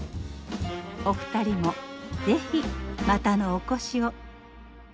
お二人もぜひまたのお越しを。